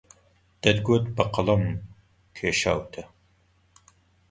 دەتگوت بە قەڵەم کێشاوتە